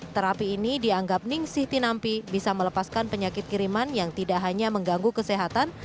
terapi ini dianggap ning siti nampi bisa melepaskan penyakit kiriman yang tidak hanya mengganggu kesehatan